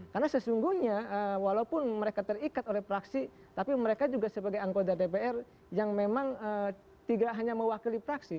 karena sesungguhnya walaupun mereka terikat oleh praksi tapi mereka juga sebagai anggota dpr yang memang tidak hanya mewakili praksi